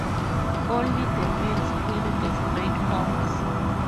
Only the males carry the straight horns.